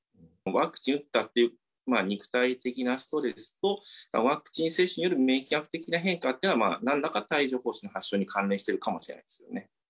ワクチン打ったっていう、肉体的なストレスと、ワクチン接種による免疫学的な変化というのは、なんらか帯状ほう疹の発症に関連しているかもしれないですね。